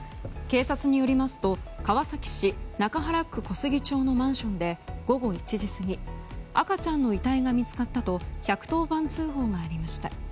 警察によりますと川崎市中原区小杉町のマンションで午後１時過ぎ赤ちゃんの遺体が見つかったと１１０番通報がありました。